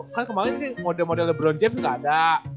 kan kemaren model model lebron james gak ada